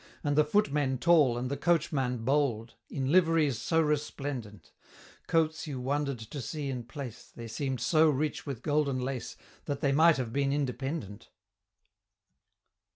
And the Footmen tall and the Coachman bold, In liveries so resplendent Coats you wonder'd to see in place, They seem'd so rich with golden lace, That they might have been independent.